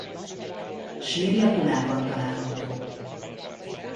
Sírja Tulában található.